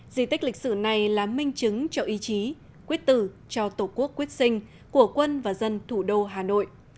di tích lịch sử này là minh chứng cho ý chí quyết tử cho tổ quốc quyết sinh của quân và dân thủ đô hà nội